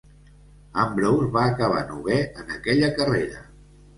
Ambrose va acabar novè en aquella carrera.